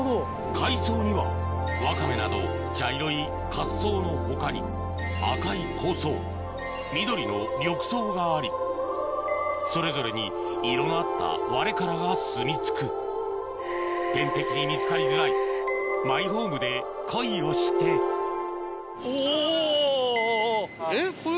海藻にはワカメなど茶色い褐藻の他に赤い紅藻緑の緑藻がありそれぞれに色の合ったワレカラがすみ着く天敵に見つかりづらいマイホームで恋をしてえっこれ。